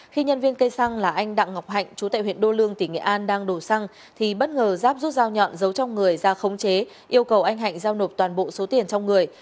khi nhân viên cây xăng là anh đặng ngọc hạnh chú tại huyện đô lương tỉnh nghệ an đang đổ xăng thì bất ngờ giáp rút dao nhọn giấu trong người ra khống chế yêu cầu anh hạnh giao nộp toàn bộ số tiền trong người